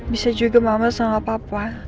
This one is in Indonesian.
bisa juga mama sama papa